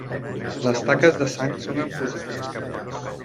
Les taques de sang són en positiu.